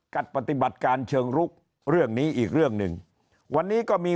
ปฏิบัติการเชิงลุกเรื่องนี้อีกเรื่องหนึ่งวันนี้ก็มี